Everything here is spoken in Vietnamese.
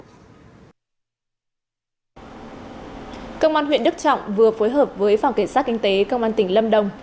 công an huyện đức trọng vừa phối hợp với phòng kiểm soát kinh tế công an tỉnh lâm đông